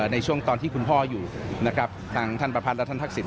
ในช่วงตอนที่คุณพ่ออยู่นะครับทางท่านประพัทธและท่านทักษิณ